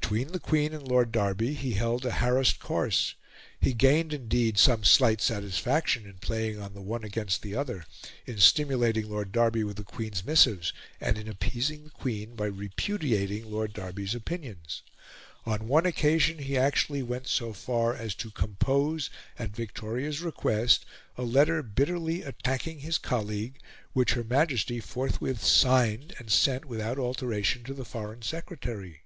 Between the Queen and Lord Derby he held a harassed course. He gained, indeed, some slight satisfaction in playing on the one against the other in stimulating Lord Derby with the Queen's missives, and in appeasing the Queen by repudiating Lord Derby's opinions; on one occasion he actually went so far as to compose, at Victoria's request, a letter bitterly attacking his colleague, which Her Majesty forthwith signed, and sent, without alteration, to the Foreign Secretary.